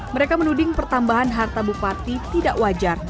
mereka menuding pertambahan harta bupati tidak wajar